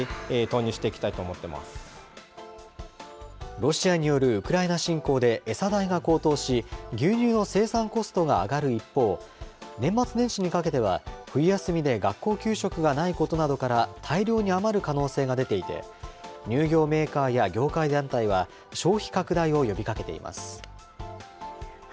ロシアによるウクライナ侵攻で餌代が高騰し、牛乳の生産コストが上がる一方、年末年始にかけては、冬休みで学校給食がないことなどから、大量に余る可能性が出ていて、乳業メーカーや業界団体は、消費拡大を呼びかけています。